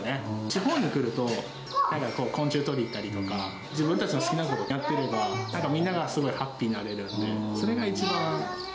地方に来ると、昆虫捕りに行ったりとか、自分たちの好きなことをやっていれば、なんかみんながすごいハッピーになれるんで、それが一番。